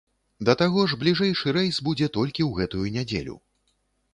Да таго ж бліжэйшы рэйс будзе толькі ў гэтую нядзелю.